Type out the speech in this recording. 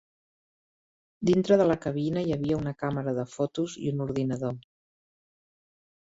Dintre de la cabina hi havia una càmera de fotos i un ordinador.